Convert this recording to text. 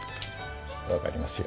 わかりますよ